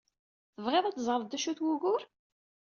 Tebɣid ad teẓred d acu-t wugur?